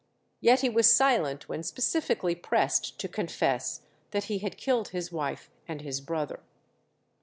Yet he was silent when specifically pressed to confess that he had killed his wife and his brother.